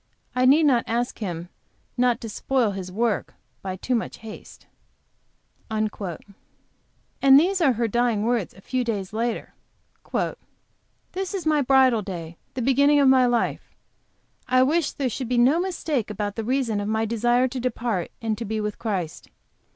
I need not ask Him not to spoil His work by too much haste." "And these were her dying words, a few days later: "This is my bridal day, the beginning of my life. I wish there should be no mistake about the reason of my desire to depart and to be with Christ.